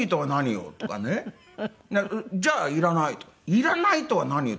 「いらないとは何よ？